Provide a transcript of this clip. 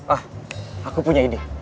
ah aku punya ide